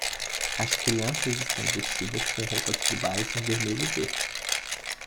As crianças estão vestidas com roupas tribais em vermelho e verde.